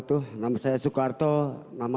tiga tahun spreading